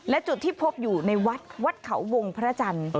และจุดที่พบอยู่ในวัดวัดเขาวงพระจันทร์